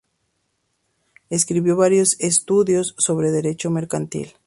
Escribió varios estudios sobre Derecho mercantil.